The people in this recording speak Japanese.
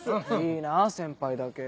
いいなぁ先輩だけ。